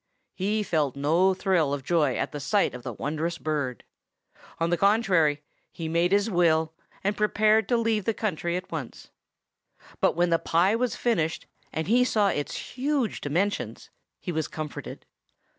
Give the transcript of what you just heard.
He felt no thrill of joy at sight of the wondrous bird; on the contrary, he made his will, and prepared to leave the country at once; but when the pie was finished, and he saw its huge dimensions, he was comforted.